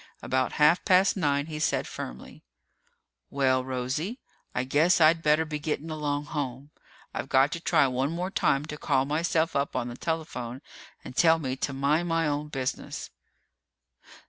About half past nine, he said firmly, "Well, Rosie, I guess I'd better be getting along home. I've got to try one more time to call myself up on the telephone and tell me to mind my own business."